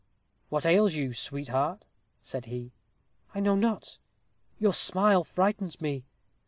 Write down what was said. "What ails you, sweetheart?" said he. "I know not; your smile frightens me."